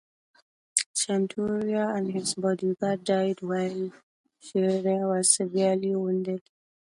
Chanturia and his bodyguard died, while Sarishvili was severely wounded.